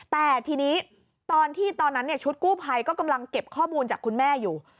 แต่ทีนี้ตอนที่ตอนนั้นชุดกู้ภัยก็กำลังเก็บข้อมูลจากคุณแม่อยู่